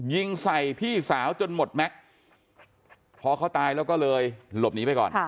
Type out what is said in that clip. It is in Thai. ยิงใส่พี่สาวจนหมดแม็กซ์พอเขาตายแล้วก็เลยหลบหนีไปก่อน